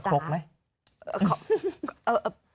ตะคกไหม